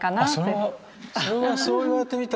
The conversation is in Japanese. それはそれはそう言われてみたら。